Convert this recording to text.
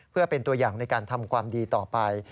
เพื่อเป็นตัวอย่างในการทำความดีต่อไป